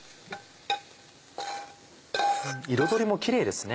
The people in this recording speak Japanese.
彩りもキレイですね。